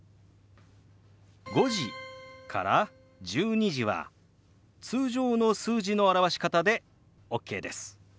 「５時」から「１２時」は通常の数字の表し方でＯＫです。